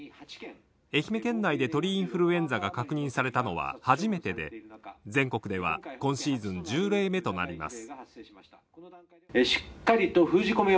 愛媛県内で鳥インフルエンザが確認されたのは初めてで、全国では今シーズン１０例目となります。